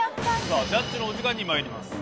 さあジャッジのお時間にまいります。